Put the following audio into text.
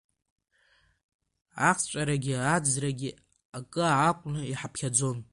Ахҵәарагьы, аӡрагьы акы акәны иҳаԥхьаӡон…